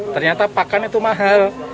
ternyata pakan itu mahal